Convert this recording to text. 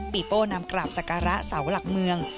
ปีโป้นำกราบศักระเสาหลักเมือง